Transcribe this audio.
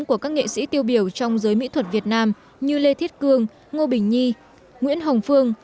của các nghệ sĩ tiêu biểu trong giới mỹ thuật việt nam như lê thiết cương ngô bình nhi nguyễn hồng phương